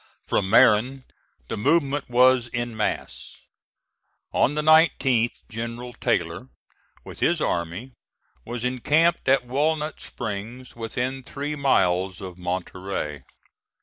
From Marin the movement was in mass. On the 19th General Taylor, with his army, was encamped at Walnut Springs, within three miles of Monterey.